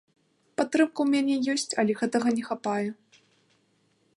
Падтрымка ў мяне ёсць, але гэтага не хапае.